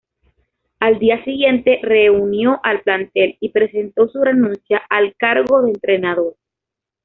Al día siguiente reunió al plantel y presentó su renuncia al cargo de entrenador.